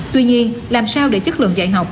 tuy nhiên làm sao để chất lượng dạy học